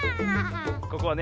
ここはね